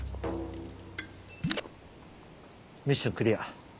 ミッションクリア。